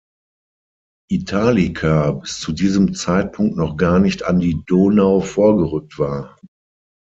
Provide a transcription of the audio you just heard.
Italica bis zu diesem Zeitpunkt noch gar nicht an die Donau vorgerückt war.